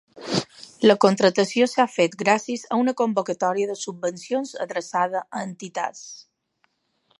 La contractació s’ha fet gràcies a una convocatòria de subvencions adreçada a entitats.